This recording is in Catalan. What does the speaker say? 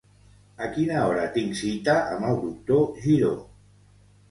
A quina hora tinc cita amb el doctor Giró?